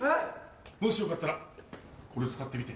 もしよかったらこれ使ってみて。